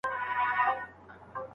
څوک د ګډو عملیاتو همغږي کوي؟